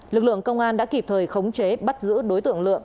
lực lượng công an đã kịp thời khống chế bắt giữ đối tượng lượng